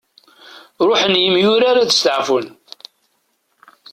Ruḥen yemyurar ad steɛfun.